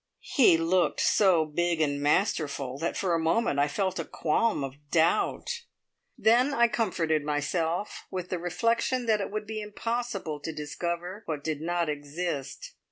He looked so big and masterful that for a moment I felt a qualm of doubt; then I comforted myself with the reflection that it would be impossible to discover what did not exist.